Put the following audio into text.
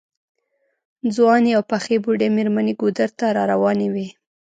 ځوانې او پخې بوډۍ مېرمنې ګودر ته راروانې وې.